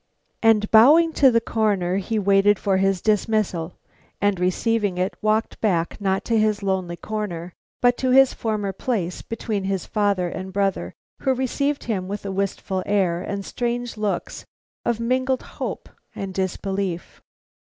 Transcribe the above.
And bowing to the Coroner, he waited for his dismissal, and receiving it, walked back not to his lonely corner, but to his former place between his father and brother, who received him with a wistful air and strange looks of mingled hope and disbelief.